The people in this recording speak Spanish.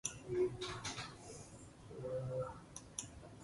Eran cuadrúpedos.